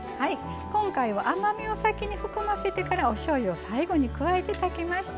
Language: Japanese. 今回は甘みを先に含ませてからおしょうゆを最後に加えて炊きました。